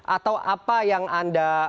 atau apa yang anda